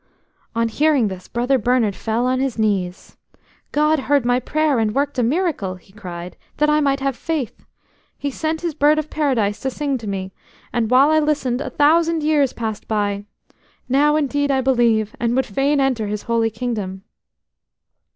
On hearing this Brother Bernard fell on his knees. "God heard my prayer, and worked a miracle," he cried, "that I might have faith. He sent His Bird of Paradise to sing to me, and, while I listened, a thousand years passed by. Now indeed I believe, and would feign enter His Holy Kingdom."